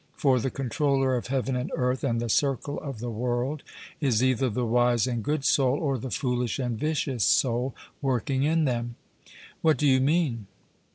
For the controller of heaven and earth and the circle of the world is either the wise and good soul, or the foolish and vicious soul, working in them. 'What do you mean?'